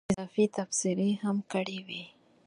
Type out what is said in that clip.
اضافي تبصرې هم کړې وې.